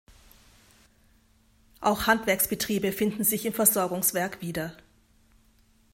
Auch Handwerksbetriebe finden sich im Versorgungswerk wieder.